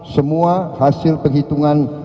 semua hasil penghitungan